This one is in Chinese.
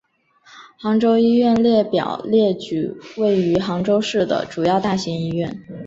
杭州医院列表列举位于杭州市的主要大型医院。